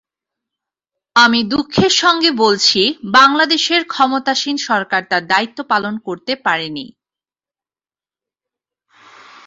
আমি দুঃখের সঙ্গে বলছি, বাংলাদেশের ক্ষমতাসীন সরকার তার দায়িত্ব পালন করতে পারেনি।